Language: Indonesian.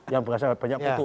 yang berasnya banyak kutu